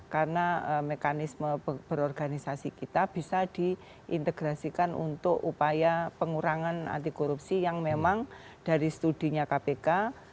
karena mekanisme berorganisasi kita bisa diintegrasikan untuk upaya pengurangan anti korupsi yang memang dari studinya kpk